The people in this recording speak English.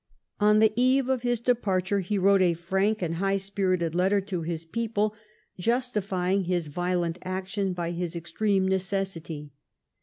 On the eve of his departure he wrote a frank and high spirited letter to his people, justifying his violent action by his extreme necessity.